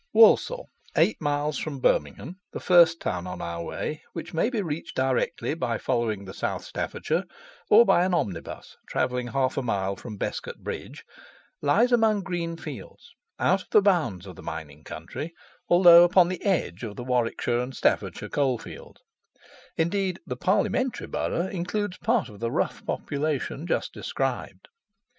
WALSALL, eight miles from Birmingham, the first town in our way, which may be reached directly by following the South Staffordshire, or by an omnibus, travelling half a mile from Bescot Bridge, lies among green fields, out of the bounds of the mining country, although upon the edge of the Warwickshire and Staffordshire coalfield, indeed the parliamentary borough includes part of the rough population just described.